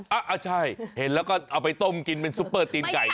อ่ะใช่เห็นแล้วก็เอาไปต้มกินเป็นซุปเปอร์ตีนไก่